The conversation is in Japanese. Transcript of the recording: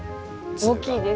大きいですね。